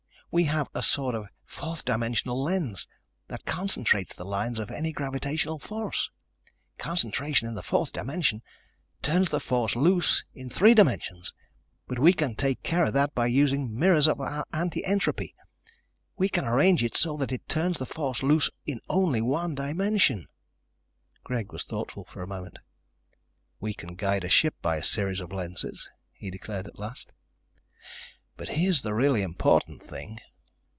We have a sort of fourth dimensional lens that concentrates the lines of any gravitational force. Concentration in the fourth dimension turns the force loose in three dimensions, but we can take care of that by using mirrors of our anti entropy. We can arrange it so that it turns the force loose in only one dimension." Greg was thoughtful for a moment. "We can guide a ship by a series of lenses," he declared at last. "But here's the really important thing.